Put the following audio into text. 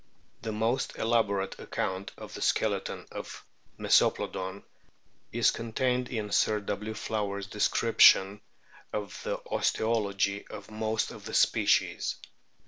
The most elaborate account of the skeleton of Mesoplodon is contained in Sir W. Flower's descrip tion of the osteology of most of the species.